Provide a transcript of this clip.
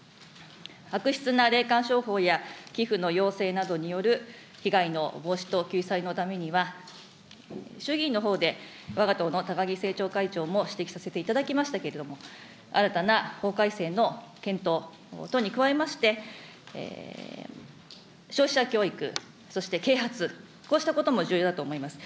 悪質な霊感商法や寄付の要請などによる被害の防止と救済のためには、衆議院のほうでわが党の高木政調会長も指摘させていただきましたけれども、新たな法改正の検討等に加えまして、消費者教育、そして啓発、こうしたことも重要だと思います。